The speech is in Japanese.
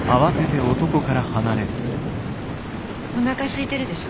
おなかすいてるでしょ。